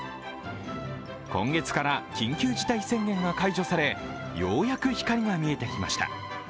今月から緊急事態宣言が解除されようやく光が見えてきました。